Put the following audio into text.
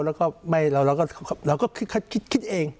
แล้วก็คิดเอง